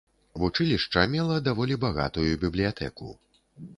Вучылішча мела даволі багатую бібліятэку.